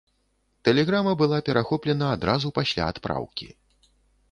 Тэлеграма была перахоплена адразу пасля адпраўкі.